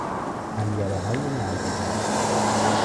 پنجرههای نرده دار